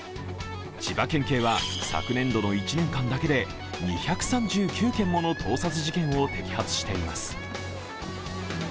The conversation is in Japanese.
千葉県警は昨年度の１年間だけで２３９件もの盗撮事件を摘発しています。